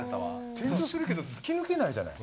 転調するけど突き抜けないじゃない。